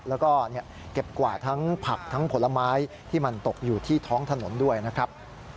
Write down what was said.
แล้วก็เก็บกวาดทั้งผักทั้งผลไม้ที่มันตกอยู่ที่ท้องถนนด้วยนะครับ